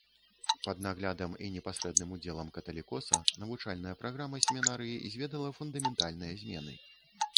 Пад наглядам і непасрэдным удзелам каталікоса навучальная праграма семінарыі зведала фундаментальныя змены.